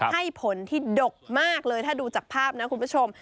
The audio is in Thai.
ให้ผลที่ดกมากเลยถ้าดูจากภาพนะคุณผู้ชม